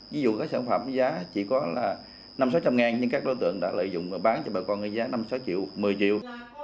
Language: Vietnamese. ví dụ các sản phẩm giá chỉ có là năm trăm linh sáu trăm linh ngàn nhưng các đối tượng đã lợi dụng bán cho bà con giá năm sáu triệu một mươi triệu